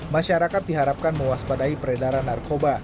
masyarakat diharapkan mewaspadai peredaran narkoba